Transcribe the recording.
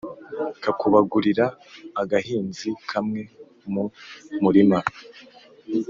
Kakubagurira.-Agahinzi kamwe mu murima.